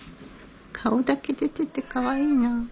顔だけ出ててかわいいな。